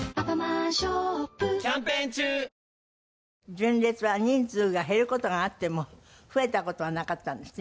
純烈は人数が減る事があっても増えた事はなかったんですって？